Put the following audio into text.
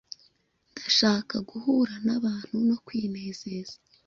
Ndashaka guhura nabantu no kwinezeza.